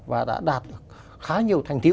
và đã đạt khá nhiều thành tiệu